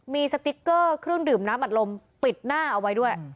มีสติ๊กเกอร์เครื่องดื่มน้ำอัดลมปิดหน้าเอาไว้ด้วย